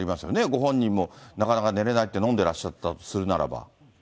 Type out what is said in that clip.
ご本人もなかなか寝れないって飲んでらっしゃったとするならば。